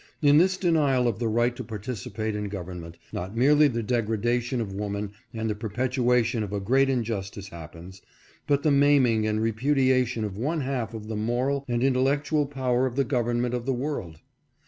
In this denial of the right to participate in government, not merely the degradation of woman and the perpetuation of a great injustice happens, but the maiming and repudiation of one half of the moral and in tellectual power of the government of the world.